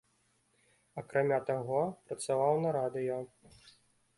Акрамя таго, працаваў на радыё.